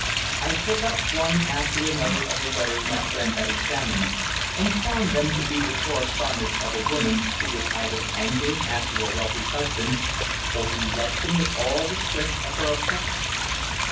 I took up one after another of the letters my friend had examined, and found them to be the correspondence of a woman who was either angling after a wealthy husband, or who loved him with all the strength of her affection.